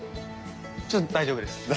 ちょっと大丈夫です。